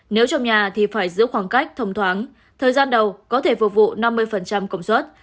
nếu trong nhà thì phải giữ khoảng cách thông thoáng thời gian đầu có thể phục vụ năm mươi công suất